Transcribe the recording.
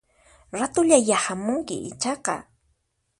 Ratullayá hamunki ichaqa